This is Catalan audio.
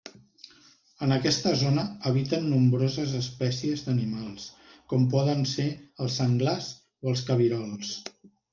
En aquesta zona habiten nombroses espècies d'animals com poden ser els senglars o els cabirols.